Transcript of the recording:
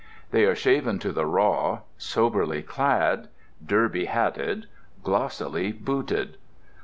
They are shaven to the raw, soberly clad, derby hatted, glossily booted.